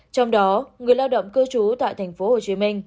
trong đó người lao động cư trú tại tp hcm